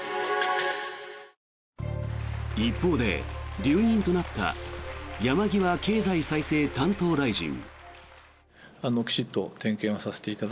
一方で留任となった山際経済再生担当大臣。